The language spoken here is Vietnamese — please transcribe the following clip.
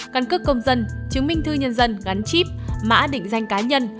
căn cước công dân chứng minh thư nhân dân gắn chip mã định danh cá nhân